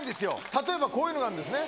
例えばこういうのがあるんですね。